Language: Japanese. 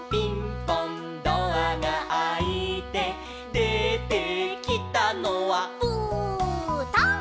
「でてきたのは」「ぶーた」